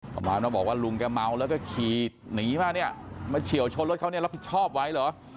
ประมาณว่าบอกว่าลุงแกเมาแล้วก็ขี่หนีมาเนี่ยมาเฉียวชนรถเขาเนี่ยรับผิดชอบไว้เหรอ